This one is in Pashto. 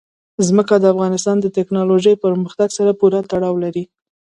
ځمکه د افغانستان د تکنالوژۍ پرمختګ سره پوره تړاو لري.